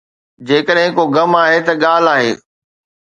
جيڪڏهن ڪو غم آهي ته ڳالهه آهي.